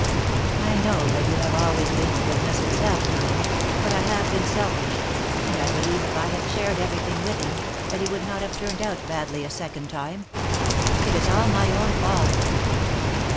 I know that you have always been goodness itself to him, but I have been selfish, and I believe if I had shared everything with him, that he would not have turned out badly a second time. It is all my own fault!"